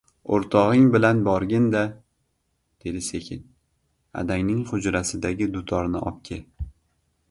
O‘rtog‘ing bilan borgin-da, — dedi sekin, —adangning hujrasidagi dutorni obke.